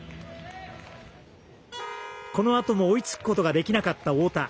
このあとも追いつくことができなかった太田。